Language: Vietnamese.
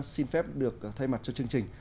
xin phép được thay mặt cho chương trình